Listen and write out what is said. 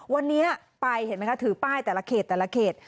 วันนี้ไปเห็นไหมคะถือป้ายแต่ละเขตแต่ละเขต